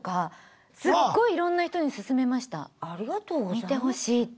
見てほしいって。